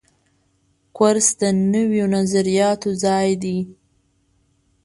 کورس د نویو نظریاتو ځای دی.